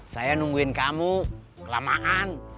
saya nungguin kamu kelamaan